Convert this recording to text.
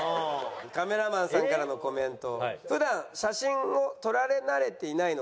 カメラマンさんからのコメント。